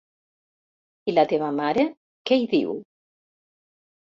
I la teva mare, què hi diu?